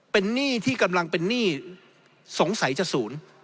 เป็นหนี้ที่กำลังเป็นหนี้สงสัยจะศูนย์